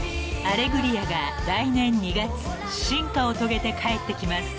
［『アレグリア』が来年２月進化を遂げて帰ってきます］